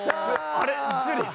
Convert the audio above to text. あれ樹？